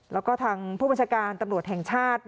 แล้วก็ทางผู้บัญชาการตำรวจแห่งชาติ